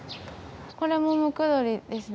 これもムクドリですね。